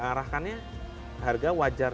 arahkannya harga wajar